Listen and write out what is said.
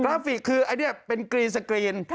ราฟิกคืออันนี้เป็นกรีนสกรีน